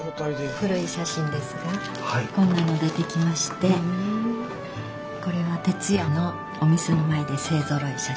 古い写真ですがこんなの出てきましてこれは「てつや」のお店の前で勢ぞろいした写真ですね。